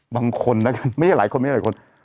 บางคนนะครับไม่ใช่หลายคนไม่ใช่หลายคน